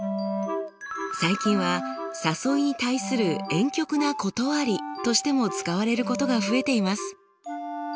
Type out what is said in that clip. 最近は誘いに対するえん曲な断りとしても使われることが増えています。